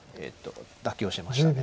妥協しました。